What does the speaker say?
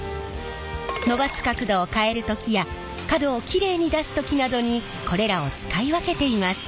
伸ばす角度を変える時や角をきれいに出す時などにこれらを使い分けています。